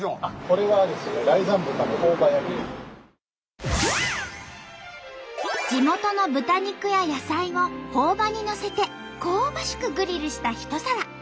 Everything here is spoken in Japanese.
これはですね地元の豚肉や野菜をほお葉にのせて香ばしくグリルした一皿。